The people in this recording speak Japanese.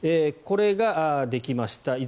これができました。